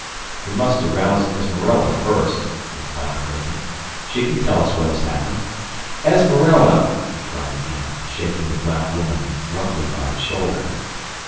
"We must arouse Esmeralda first," replied Clayton. "She can tell us what has happened. Esmeralda!" he cried again, shaking the black woman roughly by the shoulder.